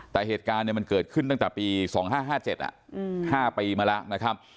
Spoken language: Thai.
แต่เหตุการณ์มันเกิดขึ้นตั้งแต่ปี๒๕๕๗๕ปีมาแล้วนะครับ